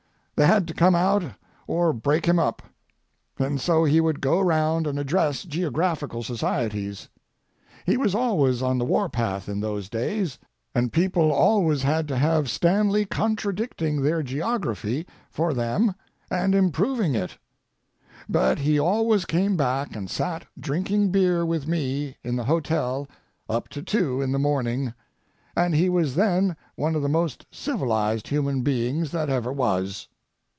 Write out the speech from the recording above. They had to come out or break him up—and so he would go round and address geographical societies. He was always on the warpath in those days, and people always had to have Stanley contradicting their geography for them and improving it. But he always came back and sat drinking beer with me in the hotel up to two in the morning, and he was then one of the most civilized human beings that ever was.